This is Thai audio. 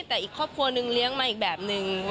แต่อีกครอบครัวนึงเลี้ยงมาอีกแบบนึง